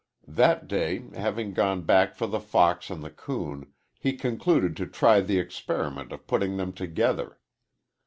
That day, having gone back for the fox and the coon, he concluded to try the experiment of putting them together.